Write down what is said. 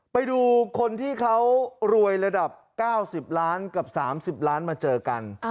ไปดูคนที่เขารวยระดับ๙๐ล้านกับ๓๐ล้านมาเจอกัน